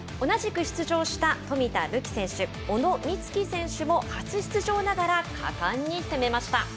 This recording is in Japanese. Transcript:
同じく出場した冨田るき選手小野光希選手も初出場ながら果敢に攻めました。